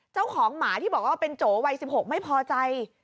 เจ้าของหมาที่บอกว่าเป็นโจวัย๑๖ไม่พอใจ